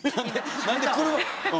何で車。